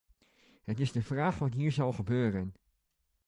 Het is de vraag wat hier zal gebeuren.